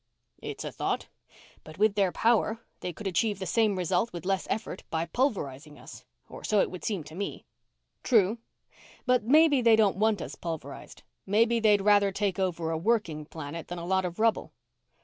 "It's a thought, but with their power they could achieve the same result with less effort by pulverizing us. Or so it would seem to me." "True, but maybe they don't want us pulverized; maybe they'd rather take over a working planet than a lot of rubble."